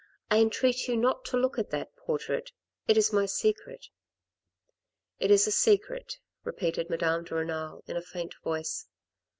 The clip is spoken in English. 1 entreat you not to look at that portrait; it is my secret." " It is a secret," repeated Madame de Renal in a faint voice.